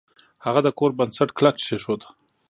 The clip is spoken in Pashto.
هغه د کور بنسټ کلک کیښود.